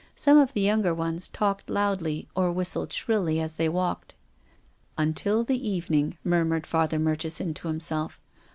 Some of the younger ones talked loudly or whistled shrilly as they walked. " Until the evening," murmured Father Mur chison to himself.